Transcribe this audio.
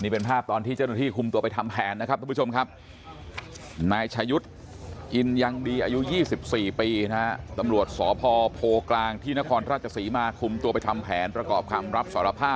เพราะฉะนั้นโทษจริงไม่ได้โทษจริงครับสิบได้